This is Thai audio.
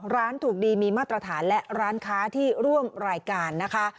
ร้านถูกดีมีมาตรฐานและร้านค้าที่ร่วมรายการนะคะ